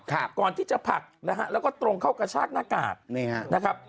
ก่อนที่จะผลักนะฮะแล้วก็ตรงเข้ากระชากหน้ากากนี่ฮะนะครับ